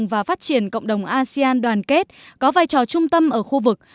và phát triển cộng đồng asean đoàn kết có vai trò trung tâm ở khu vực